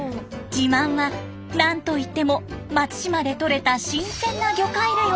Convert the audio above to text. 自慢は何といっても松島でとれた新鮮な魚介類を使った料理。